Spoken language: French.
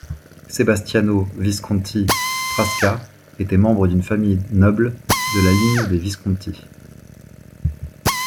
Sebastiano Visconti Prasca était membre d'une famille noble de la ligne des Visconti.